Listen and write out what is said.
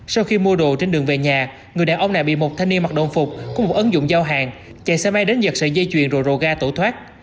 sau khi mua đồ trên đường về nhà người đàn ông này bị một thanh niên mặc đồn phục có một ấn dụng giao hàng chạy xe máy đến giật sợi dây chuyền rồi rồ ga tổ thoát